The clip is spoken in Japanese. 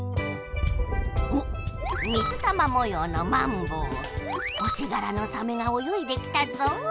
おっ水玉もようのマンボウ星がらのサメが泳いできたぞ。